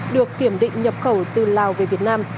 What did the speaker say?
được kiểm định nhập khẩu từ lào về việt nam